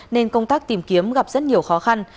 nên công tác tìm kiếm gặp rất nhiều khó khăn